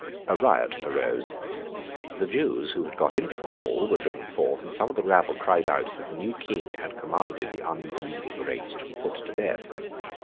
A riot arose. The Jews who had got into the Hall, were driven forth; and some of the rabble cried out that the new King had commanded the unbelieving race to be put to death.